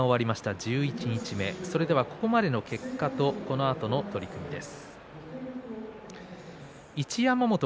十一日目、ここまでの結果とこのあとの取組です。